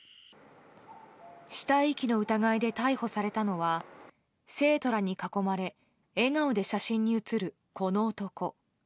死体遺棄の疑いで逮捕されたのは、生徒らに囲まれ笑顔で写真に写るこの男。